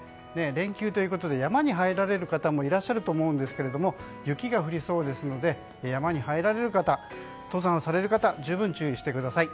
連休ということで山に入られる方もいらっしゃると思うんですが雪が降りそうですので山に入られる方、登山をされる方十分注意してください。